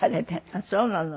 あっそうなの。